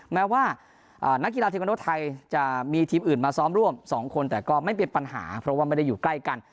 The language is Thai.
แม้ว่านักกีฬาเทคโนไทยจะมีทีมอื่นมาซ้อมร่วม๒คนแต่ก็ไม่เป็นปัญหาเพราะว่าไม่ได้อยู่ใกล้กัน